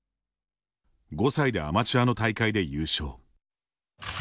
５歳でアマチュアの大会で優勝。